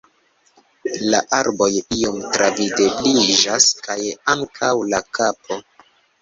La arboj iom travidebliĝas, kaj ankaŭ la kapo…